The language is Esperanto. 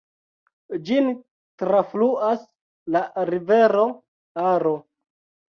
Ĝin trafluas la rivero Aro.